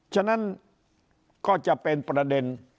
ฉะนั้นก็จะเป็นประเด็น